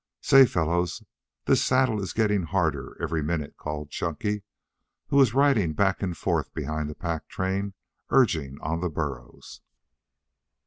"Say, fellows, this saddle is getting harder every minute," called Chunky, who was riding back and forth behind the pack train, urging on the burros.